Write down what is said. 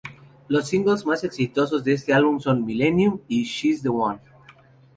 Los singles más exitosos de este álbum son "Millenium" y "She's the One".